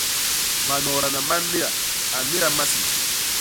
Manoodana ma néda; a nnéda masiñ.